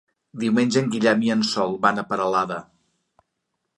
Diumenge en Guillem i en Sol van a Peralada.